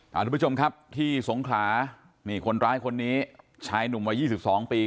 สวัสดีค่ะที่สงขามีคนร้ายคนนี้ชายหนุ่มวัยยี่สิบสองปี